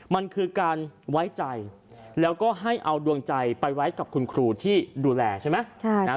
มันคือการไว้ใจแล้วก็ให้เอาดวงใจไปไว้กับคุณครูที่ดูแลใช่ไหม